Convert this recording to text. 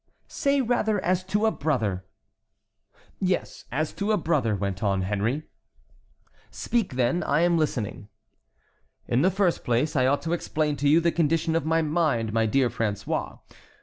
"Say rather as to a brother." "Yes, as to a brother," went on Henry. "Speak, then, I am listening." "In the first place I ought to explain to you the condition of my mind, my dear François.